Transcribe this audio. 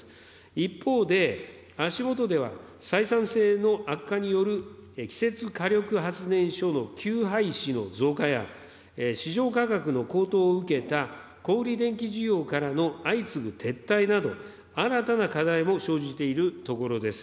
一方で、足下では採算性の悪化による既設火力発電所の休廃止の増加や、市場価格の高騰を受けた小売り電気事業からの相次ぐ撤退など、新たな課題も生じているところです。